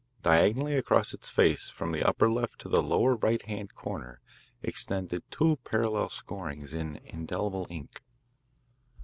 Diagonally across its face from the upper left to the lower right hand corner extended two parallel scorings in indelible ink.